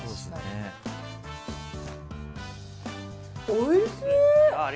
おいしい！